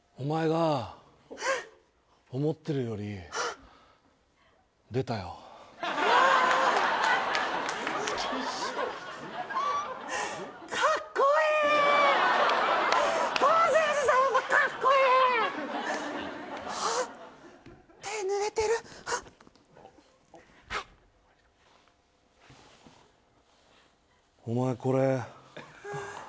お前これ。